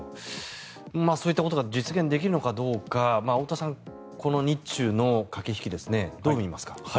そういったことが実現できるのかどうか太田さん、この日中の駆け引きどう見ますか？